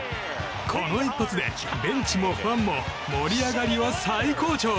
この一発で、ベンチもファンも盛り上がりは最高潮。